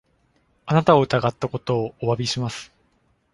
あなたを疑ったことをお詫びします。